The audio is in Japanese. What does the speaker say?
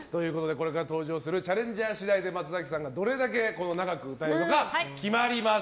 これから登場するチャレンジャーしだいで松崎さんがどれだけ長く歌えるのか決まります。